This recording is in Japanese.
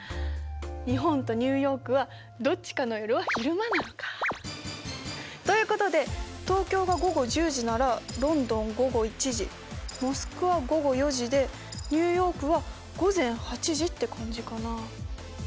日本とニューヨークはどっちかの夜は昼間なのか。ということで東京が午後１０時ならロンドン午後１時モスクワ午後４時でニューヨークは午前８時って感じかな。